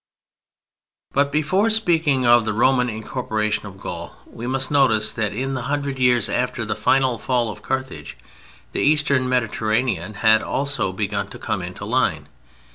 But before speaking of the Roman incorporation of Gaul we must notice that in the hundred years after the final fall of Carthage, the Eastern Mediterranean had also begun to come into line.